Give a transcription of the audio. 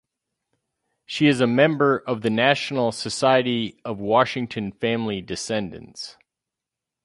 She is a member of the National Society of Washington Family Descendants.